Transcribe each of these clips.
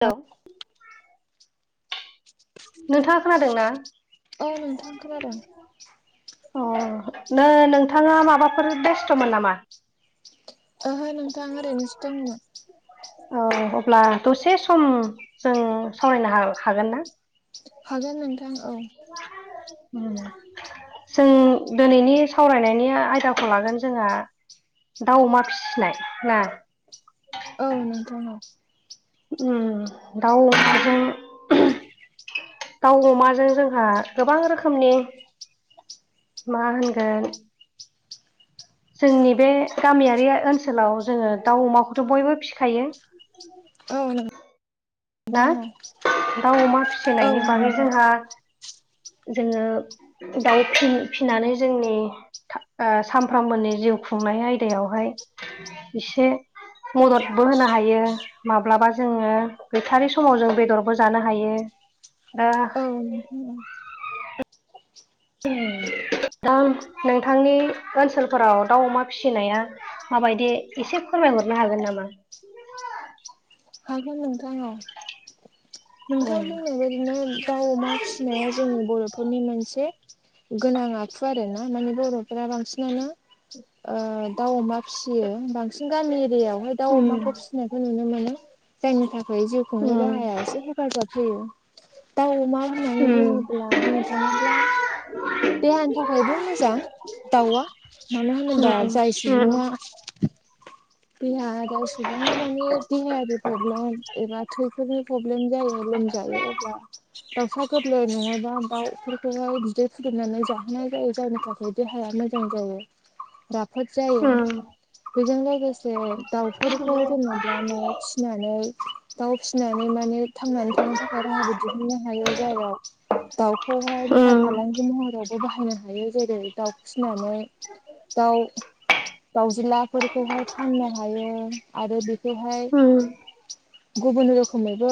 औ नोंथाङा खोनादों ना? औ नोंथां खोनादों। अ' नो नोंथाङा माबाफोर बेस्थ'मोन नामा? ओहो नोंथां ओरैनोसो दंमोन। औ अब्ला दसे सम जों सावरायनो हा हागोन ना? हागोन नोंथां औ। उम जों दिनैनि सावरायनायनि आयदाखौ लागोन जोंहा दाउ, अमा फिनाय ना। औ नोंथां औ। उम दाउ, अमाजों दाउ, अमाजों जोंहा गोबां रोखोमनि मा होनगोन जोंनि बे गामियारि ओनसोलाव जोङो दाउ, अमाखौथ' बयबो फिखायो। औ ना नोंथां औ दाउ, अमा औ फिसिनायनि बागै नोंथां जोंहा जोङो दाउ फि-फिनानै जोंनि था ओ सामफ्रोमबोनि जिउ खुंनाय आयदायावहाय एसे मददबो होनो हायो। माब्लाबा जोङो गैथारि समाव जों बेदरबो जानो हायो। ओ हायोमोथ' आरो उम दा नोंथांनि ओनसोलफोराव दाउ, अमा फिनाया माबायदि एसे फोरमायहरनो हागोन नामा? हागोन नोंथां औ। नोंथां ओम बुंनाय बाय दिनो दाउ, अमा फिनाया जोंनि बर'फोरनि मोनसे गोनां आखु आरोना माने बर' दा बांसिनानो ओ दाउ अमा फिसियो बां सिन गामि एरियायावहाय दाउ अमाखौ फिसिनायखौ नुनो मोनो। जायनि थाखाय जिउ खुंनाय ओम राहाया एसे हेफाजाब होयो। दाव अमा होननानै ओम बुङोब्ला बुंनो थाङोब्ला देहानि थाखायबो मोजां। दावा मानो होनोबा ओम जाय ओम सुबुङा देहा गाव सुबुंआ माने देहायारि प्रब्लेम खिथ एबा थैफोरनि प्रब्लेम जायो लोमजायो अब्ला दाउसा गोरलै नङाबा दाउफोरखौहाय बिदै फुदुंनानै जाहोनाय जायो। जायनि थाखाय खौ देहाया मोजां जायो। राफ फोद जायो बेजों लोगोसे दाउफोरखौ जेनेबा न'आव फिसि नानै दाउ फिसिनानै माने थांनानै थानो थाखाय राहाबो दिहुननो हायो। जेराव दाउखौहाय ओम बेफार फालांगि महरावबो बाहायनो हायो। जेरै दाउ फिसिनानै दाउ दाउज्लाफोरखौहाय फाननो हायो आरो बेखौहाय ओम गुबुन रोखोमैबो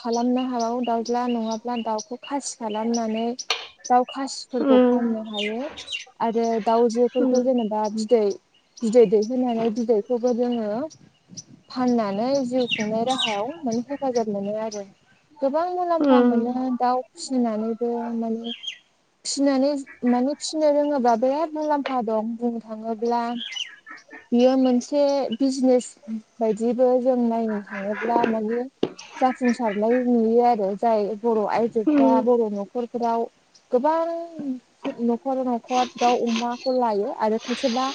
खालामनो हाबावो दाउज्ला नङाब्ला दाउखौ खासि खालामनानै दाउ खासि फोरखौ ओम फाननो हायो आरो दाउजोफोरखौ जों बा बिदै बिदै दैहोनानै बिदैखौबो जोङो फाननानै जिउ खुंनाय राहायाव माने हेफाजाब मोनो आरो। गोबां मुलाम्फा ओम मोनो दाउ फिसिनानैबो माने फिसिनानै माने फिसिनो रोङोबा बिराद मुलाम्फा दं बुंनो थाङोब्ला बियो मोनसे बिजनेस बायदिबो जों नायनो थाङोब्ला माने जाफुंसारनाय नुयो आरो। जाय बर' आयजोफ्रा ओम बर' न'खरफोराव गोबां न'खर न'खर दाउ अमाखौ लायो आरो खायसेबा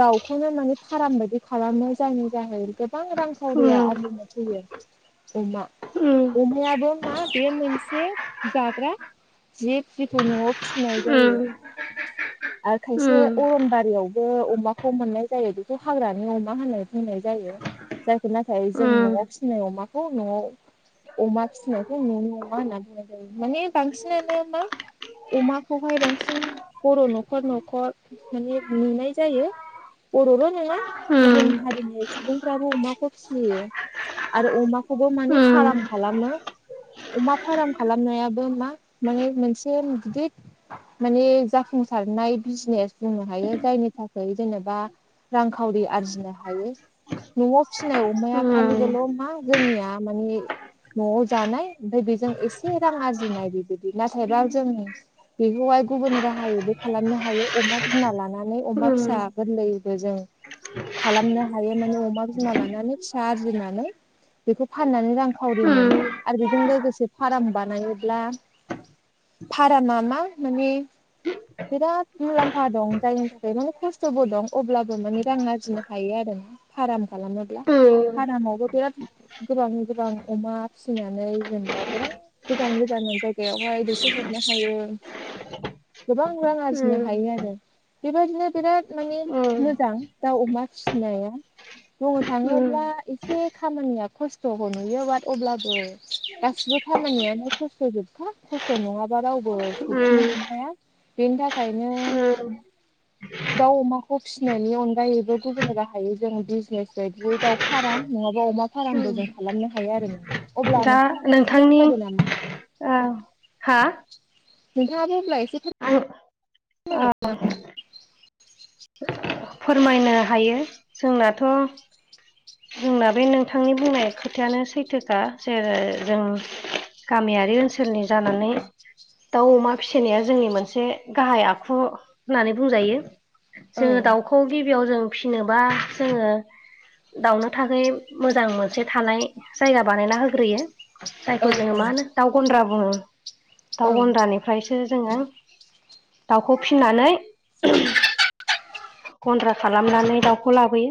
दाउखौनो माने फार्म बायदि खालामो जायनि जाहै गोबां रांखावरिया ओम आरजिनो फैयो अमा ओम अमायाबो मा बे मोनसे जाग्रा जिब जिखौ न'आव फिनाय जायो। आरो खायसे अरनबारियावबो अमाखौ मोननाय जायो। बेखौ हाग्रानि अमा होनना बुंनाय जायो। जायखौ नाथाय जों न'आव फिसिनाय अमाखौ न'आव अमा फिनायखै न'नि अमा होनना बुंनाय जायो। माने बांसिनानो मा अमाखौहाय बांसिन बर' न'खर न'खर माने नुनाय जायो। बर'ल' नङा गुबुन हारिनि सुबुंफ्राबो अमाखौ फिसियो। आरो अमाखौबो माने फाराम खालामनो अमा फार्म खालामनायाबो मा माने मोनसे गिदिर माने जाफुंसारनाय बिजनेस बुंनो हायो। जायनि थाखाय जेनेबा रांखावरि आरजिनो हायो। न'आव फिसिनाय अमाया खालिबोल' मा जोंनिया माने न'आव जानाय ओमफ्राय बेजों एसे रां आरजिनाय बिबायदि नाथायबा जों बेखौहाय गुबुन राहायैबो खालामनो हायो। अमा बिमा लानानै अमा फिसा गोरलैबो जों खालामनो हायो माने अमा बिमा लानानै फिसा आरजिनानै बेखौ फाननानै रांखावरि मोनो आरो बेजों लोगोसे फार्म बानायोब्ला फारामा मा माने बिराद मुलाम्फा दं जायनि थाखाय माने खस्थ'बो दं अब्लाबो माने रां आरजिनो हायो आरो ना फाराम खालामोब्ला। फारामावबो बिराद गोबां गोबां अमा फिसिनानै जेनेबा गोबां गोजान गोजान जायगायावहाय दैथायहरनो हायो गोबां रां आरजिनो हायो आरो। बेबायदिनो बिराद मानि मोजां दा अमा फिसिनाया बुंनो थाङोब्ला एसे खामानिया खस्थ'खौ नुयो बाट अब्लाबो गासिबो खामानियानो खस्थ' जोबखा, खस्थ' नङाबा रावबो सौसिनो हाखाया। बेनि थाखायनो [inaudible] दाउ अमाखौ फिसिनायनि अनगायैबो गुबुन राहायै जों बिजनेस बायदियै दाउ फार्म नङाबा अमा फारामबो जों खालामनो हायो आरो नोंथां। अब्ला दा नोंथाङाबो एसे नोंथांनि फोरमायदो नामा? ओ हा नोंथाङाबो अब्ला एसे फोर आं ओ मायलांदो नामा? फोरमायनो हायो। जोंनाथ' जोंना बे नोंथांनि बुंनाय खोथायानो सैथोखा जेरै जों गामियारि ओनसोलनि जानानै दाउ अमा फिसिनाया जोंनि मोनसे गाहाइ आखु होननानै बुंजायो। औ जोङो दाउखौ गिबियाव जों फिसिनोबा जोङो दाउनो थाखै मोजां मोनसे थानाय जायगा बानायना होग्रोयो। जायखौ औ जोङो औ मा होनो दाउ गन्द्रा बुङो। दाउ औ गन्द्रानि ओमफ्रायसो जोङो दाउखौ फिनानै गन्द्रा खालामनानै दाउखौ लाबोयो।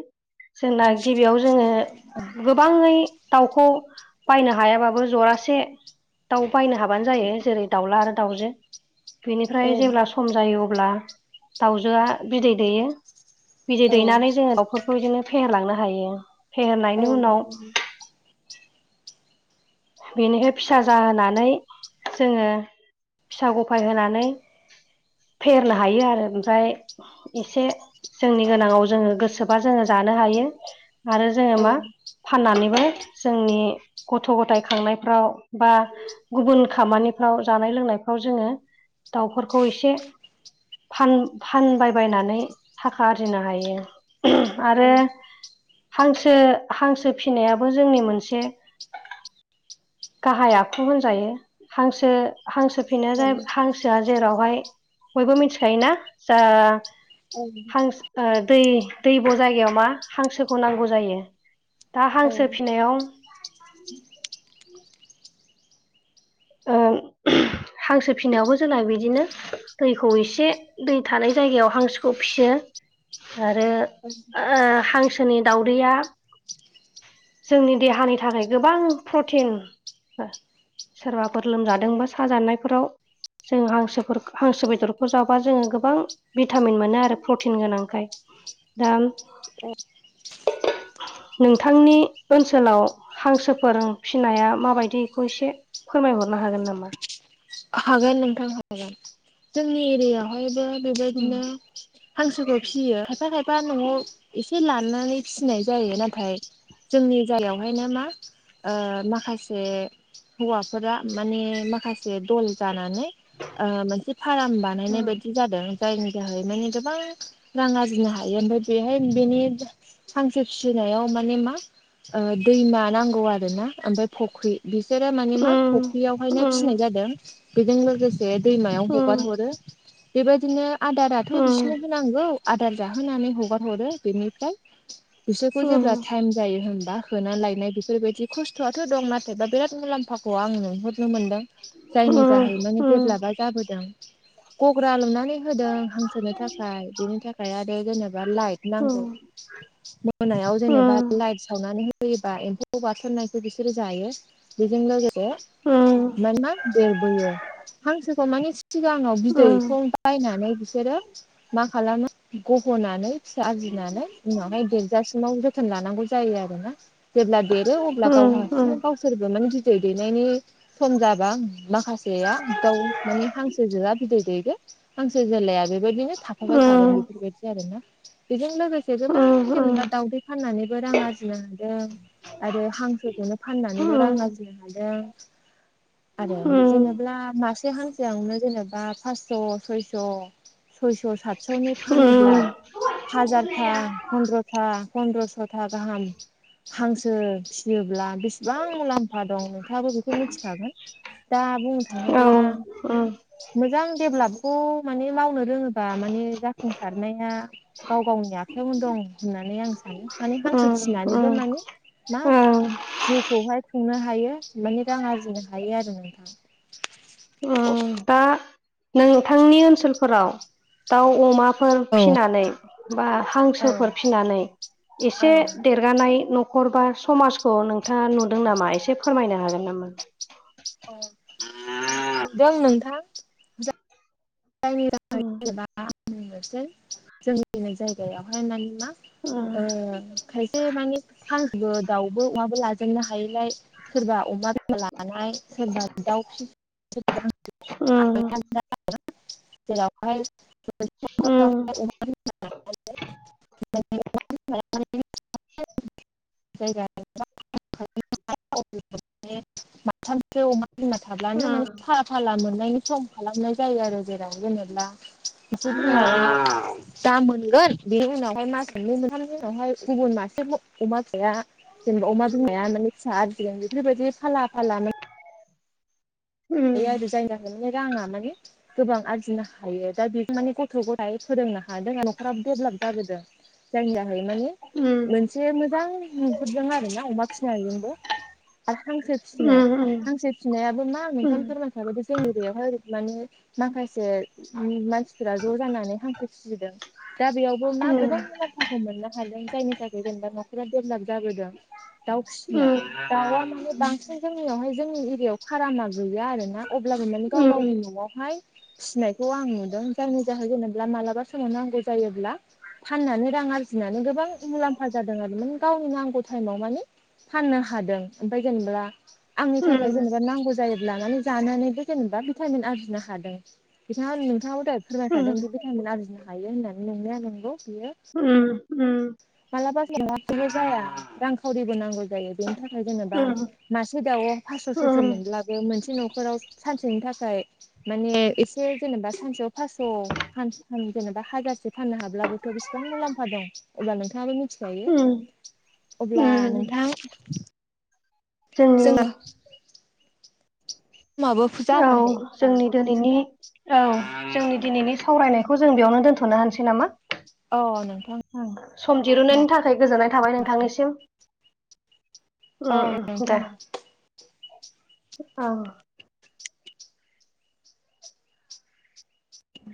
जोंना गिबियाव जोङो गोबाङै दाउखौ बायनो हायाबाबो जरासे दाउ बायनो हाबानो जायो जेरै दाउला आरो दाउजो। औ बिनिफ्राय जेब्ला सम जायो अब्ला दाउजोआ बिदै दैयो। बिजदै दैनानै जोङो दाउफोरखौ बिदिनो फेहेरलांनो हायो। फेहेरनायनि उनाव बेनिफ्राय फिसा जाहोनानै जोङो फिसा गफाय होनानै फेहेरनो हायो आरो, ओमफ्राय एसे जोंनि गोनाङाव जोङो गोसोबा जोङो जानो हायो आरो जोङो मा फाननानैबो जोंनि गथ' गथाय खांनायफ्राव बा गुबुन खामानिफ्राव, जानाय लोंनायफ्राव जोङो दाउफोरखौ एसे फान फानबायबायनानै थाखा आरजिनो हायो आरो हांसो, हांसो फिनायाबो जोंनि मोनसे गाहाइ आखु होनजायो। हांसो हांसो फिनाया जा हांसो आ जेरावहाय बयबो मिथिखायोना जा हांसो ओ दै दैब' जायगायाव मा हांसोखौ नांगौ जायो। दा औ औ हांसो फिनायाव ओ हांसो फिनायावबो जोंना बिदिनो दैखौ एसे दै थानाय जायगायाव हांसोखौ फियो आरो ओ हांसो नि दाउदैया जोंनि देहानि थाखाय गोबां प्रटिन, सोरबाफोर लोमजादोंबा साजानायफोराव जों हांसोफोर हांसो बेदरखौ जाबा जोङो गोबां भिटामिन मोनो आरो प्रटिन गोनांखाय। दा नोंथांनि ओनसोलाव हांसोफोर फिसिनाया माबायदि इखौ एसे फोरमायहरनो हागोन नामा? हागोन नोंथां हागोन। जोंनि एरियायावहायबो उम बेबायदिनो हांसोखौ फियो, खायफा खायफा न'आव एसे लानानै फिनाय जायो नाथाय जोंनि जायगायावहायनो मा ओ माखासे हौवाफोरा माने माखासे दल जानानै ओ मोनसे फाराम बानायनाय बायदि जादों जायनि जाहै माने गोबां रां आरजिनो हायो। ओमफ्राय बेहाय बेनि हांसो फिसिनायाव माने मा दैमा नांगौ आरोना, ओमफ्राय फुख्रि। बिसोरो माने मा उम उम फुख्रियावहायनो फिसिनाय जादों। बेजों लोगोसे दैमायाव उम हगार हरो। बेबायदिनो आदाराथ' उम बिसिनो होनांगौ। आदार जाहोनानै हगार हरो बेनिफ्राय बिसोरखौ उम जेब्ला टाइम जायो होनबा फोनाय लायनाय बेफोरबायदि खस्थ'आथ' दं नाथायबा बिराद मुलाम्फाखौ आं नुहरनो मोनदों उम जायनि जाहै माने उम ेभेलपा जाबोदों गग्रा लुनानै होदों हां सोनो थाखाय बिनि थाखाय आरो जेनेबा लाइट नांगौ मोनायाव उम जेनेबा लाइट सावनानै होयोबा एम्फौ बार सोननायखौ बिसोरो जायो। बेजों लोगोसे मानोना देरबोयो हांसोखौ मानि सिगाङाव उम बिदैखौ बायनानै बिसोरो मा खालामो गह'नानै फिसा आरजिनानै उनावहाय देरजासिमाव जोब जोथोन लानांगौ जायो आरोना जेब्ला देरो अब्ला गाव उम हारसिंनो गाव सोरबा माने बिदै दैनायनि सम जाबा माखासे हांसेआ दाउ माने हांसो जोआ बिदै दैदो हांसो जोलाया बेबायदिनो थाफाबाय थागोन बेफोरबायदि आरो ना बेजों लोगोसे गोबां जेनेबा दाउदै फाननानैबो रां आरजिनो हादों आरो हांसोखौनो फाननानै' रां उम आरजिनो हादों आरो उम जेनेबा मासे हान्सायावनो जेनेबा फासस' सयस' सयस' सातस'नि फानोब्ला उम हाजारथा फन्द्रथा फन्दद्रस' था गाहाम हांसो फियोब्ला बेसेबां मुलाम्फा दं नोंथाङाबो बेखौ मिथिखागोन दा बुंनो औ थाङोब्ला ओम मोजां डेभेलपखौ माने मावनो रोङोबा बा माने जाफुंसारनाया गाव गावनि आखायावनो दं होननानै आं सानो माने हांसो फिनानैबो माने मा जिउखौहाय खुंनो हायो माने रां आरजिनो हायो आरो [inaudible] ओ दा नोंथांनि ओनसोलफोराव दाउ अमा फोर औ फिसिनानै बा औ हांसोफोर फिनानै एसे औ जगानाय न'खर बा समाजखौ नोंथाङा नुदों नामा एसे फोरमायनो हागोन नामा? [unintelligible] औ जों नोंथां जायनि थाखाय उम जेनेबा आं बुंनोसै जोंनि जायगायावहाय मानि मा ओ खायसे माने हांसोबो दाउबो अमाबो लाजोबो नो हायैलाय सोरबा अमा लानाय सोरबा दाउ फिसि उम [unintelligible] उम [unintelligible] [unintelligible] [unintelligible] बिमा उम थाब्लानो माने फाला फाला मोननायनि सम खालामनाय जायो आरो जेराव जेनेब्ला औ [unintelligible] दाम मोनगोन बेनि उनावहाय मास मोननै मोनथामनि उनावहाय गुबुन मासे अमा फिनाया जेनेबा अमा बिमाया माने फिसा आरजिगोन बेफोरबायदि फाला फाला उम बे जाय जागोनलै राङा माने गोबां आरजिनो हायो दा बेखौ माने गथ' गथाय फोरोंनो हादों आरो न'खराबो डेभेलप जाबोदों जायनि थाखाय माने उम मोनसे मोजां नुदों आरोना अमा फिसिनायजोंबो आरो हांसो उम फिसिनाय उम हांसो फिनायाबो मा मोन उम ओंखाम फोरमान थाब जोंनि बेयावहाय माने माखासे मानसि फ्रा ज' जानानै हांसो फिसिदों दा बेयावबो मा गोबां मुलाम्फा खौ मोननो हादों जायनि थाखाय जेनेबा न'खरा डेभलप जाबोदों दाउ फिसिनाय दावआ माने बांसिन जोंनियावहाय जोंनि एरियायाव फारामा गैया आरो ना अब्लाबो माने गाव गावनि उम न'आवहाय फिनायखौ आं नुदों जायनि जाहो जेनेबा मालाबा सों नांगौ जायोब्ला फाननानै रां आरजिनानै गोबां मुलाम्फा जादों आरो माने गावनो नांगौ टाइमाव माने फाननो हादों ओमफ्राय जेनेबा आंनि थाखाय उम जेनेबा नांगौ जायोब्ला माने जानानैबो जेनेबा भिटामिन आरजिनो हादों बिथाङा नोंथाङाबो दहाय उम फोरमायखादोंदि भिटामिन आरजिनो हायो होननानै नोंनाया नंगौ बियो। उम उम मालाबा जेंनाखौबो जाया रांखावरिबो नांगौ जायो बेनि थाखाय जेनेबा उम मासे दाउ फास्स' सयस' उम मोनब्लाबो मोनसे न'खराव सानसेनि थाखाय माने एसे जेनेबा सानसेयाव फास्स' जेनेबा हाजारसे फाननो हाब्लाबोथ' बिसिबां मुलाम्फा दं। अब्ला नोंथाङाबो उम मिथिखायो अब्ला उम नोंथां जोंनि [unintelligible] [inaudible] माबो औ जोंनि दिनैनि औ जोंनि दिनैनि सावरायनाय खौ जों बेयावनो दोनथ'नो हानोसै नामा? औ नोंथां। सम दिरुनायनि थाखाय गोजोननाय थाबाय नोंथांनिसिम। औ उम-उम दे नोंथां औ।